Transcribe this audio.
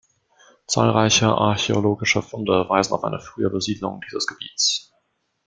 Zahlreiche archäologische Funde weisen auf eine frühe Besiedlung dieses Gebietes.